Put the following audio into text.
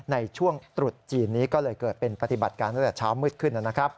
ในช่วงตรุษจีนนี้ก็เลยเกิดเป็นปฏิบัติการตั้งแต่เช้ามืดขึ้นนะครับ